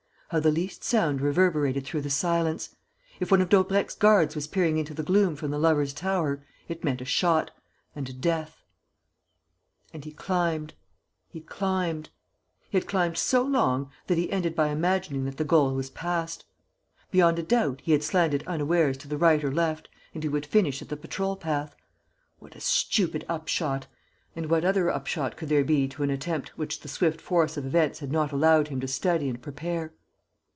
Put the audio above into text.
How the least sound reverberated through the silence! If one of Daubrecq's guards was peering into the gloom from the Lovers' Tower, it meant a shot ... and death. And he climbed ... he climbed.... He had climbed so long that he ended by imagining that the goal was passed. Beyond a doubt, he had slanted unawares to the right or left and he would finish at the patrol path. What a stupid upshot! And what other upshot could there be to an attempt which the swift force of events had not allowed him to study and prepare?